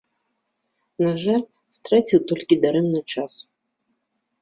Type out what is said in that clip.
На жаль, страціў толькі дарэмна час.